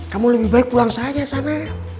kamu lebih baik pulang saja sana